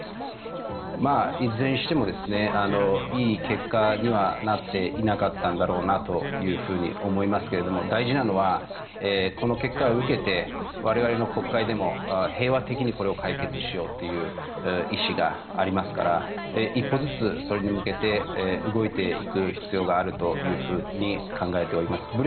いずれにしてもいい結果にはなっていなかったんだろうなと思いますが大事なのはこの結果を受けて我々の国会でも平和的にこれを解決しようという意思がありますから一歩ずつそれに向けて動いていく必要があるというふうに考えております。